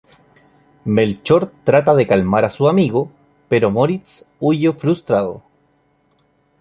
Melchior trata de calmar a su amigo, pero Moritz huye, frustrado.